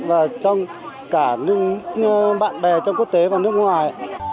và trong cả những bạn bè trong quốc tế và nước ngoài